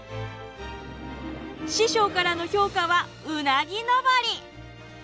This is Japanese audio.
師匠からの評価はうなぎ登り！